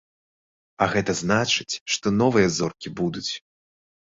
А гэта значыць, што новыя зоркі будуць.